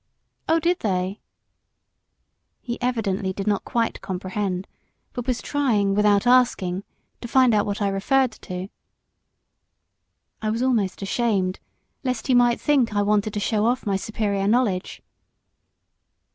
"Oh! did they!" He evidently did not quite comprehend, but was trying, without asking, to find out what I referred to. I was almost ashamed, lest he might think I wanted to show off my superior knowledge.